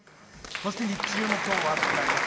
そして日中も今日は暑くなります。